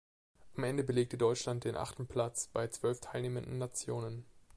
Am Ende belegte Deutschland den achten Platz bei zwölf teilnehmenden Nationen.